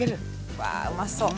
うわうまそう。